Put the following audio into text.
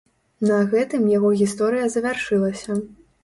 На гэтым яго гісторыя завяршылася.